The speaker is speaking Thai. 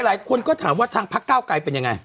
หลายคนก็ถามว่าทางพักเก้าไกรเป็นยังไง